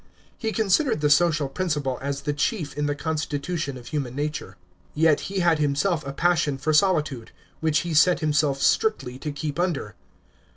He considered the social principle as the chief in the constitution of human nature. Yet he had himself a passion for soli tude, which he set himself strictly to keep under.